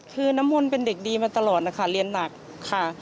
คือน้ำมนต์เป็นเด็กดีมาตลอดนะคะเรียนหนักค่ะ